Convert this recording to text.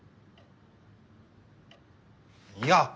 いや！